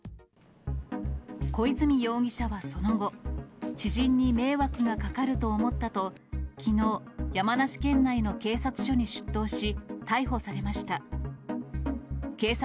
小泉容疑者はその後、知人に迷惑がかかると思ったときのう、山梨県内の警察署に出頭し、逮捕されました。